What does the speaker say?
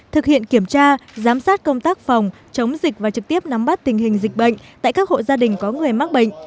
thực hiện kiểm tra giám sát công tác phòng chống dịch và trực tiếp nắm bắt tình hình dịch bệnh tại các hộ gia đình có người mắc bệnh